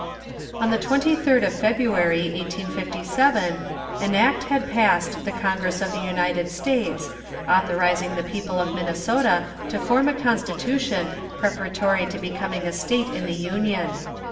On the twenty third of February, 1857, an act had passed the congress of the United States authorizing the people of Minnesota to form a constitution preparatory to becoming a state in the Union.